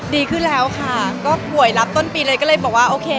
ดีขึ้นแล้วค่ะก็ป่วยรับต้นปีเลยก็เลยบอกว่าโอเค